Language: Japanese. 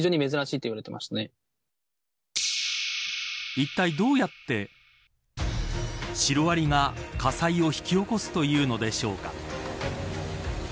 いったい、どうやってシロアリが火災を引き起こすというのでしょうか。